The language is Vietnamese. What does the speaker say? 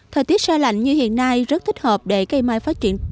thời tiết xa lạnh như hiện nay rất thích hợp để cây mai phát triển tốt